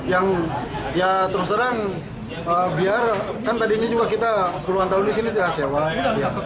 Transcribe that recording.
yang ya terus terang biar kan tadinya juga kita puluhan tahun di sini tidak sewa